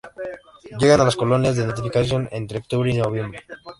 Llegan a las colonias de nidificación entre octubre y noviembre.